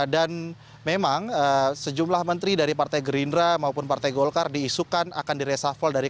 dan memang sejumlah menteri dari partai gerindra maupun partai golkar diisukan akan diresafel